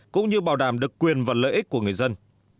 cũng như bảo đảm được quyền và lợi ích của người dân